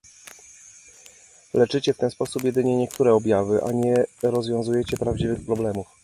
Leczycie w ten sposób jedynie niektóre objawy, a nie rozwiązujecie prawdziwych problemów